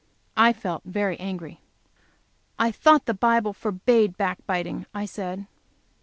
I felt very angry. "I thought the Bible forbade back biting," I said.